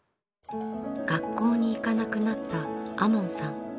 学校に行かなくなった亞門さん。